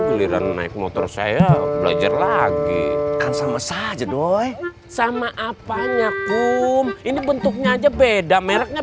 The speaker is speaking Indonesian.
keliran naik motor saya belajar lagi kan sama saja doy sama apanya kum ini bentuknya aja beda mereknya